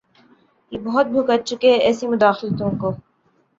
ہم بہت بھگت چکے ایسی مداخلتوں کو۔